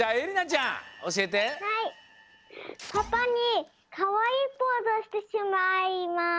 パパにかわいいポーズをしてしまいます。